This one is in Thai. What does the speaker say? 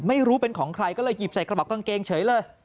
ไม่รู้เป็นของใครก็เลยหยิบใส่กระบอกกางเกงเฉยเลย